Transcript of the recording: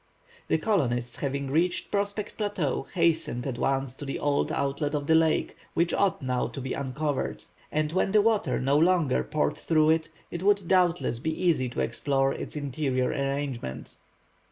The colonists having reached Prospect Plateau, hastened at once to the old outlet of the lake, which ought now to be uncovered. And when the water no longer poured through it, it would, doubtless, be easy to explore its interior arrangement.